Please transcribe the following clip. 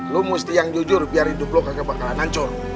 lu mesti yang jujur biar hidup lu gak kebakaran ancur